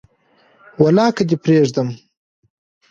ولاکه دي پریږدم